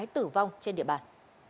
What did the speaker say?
tử vong trên địa bàn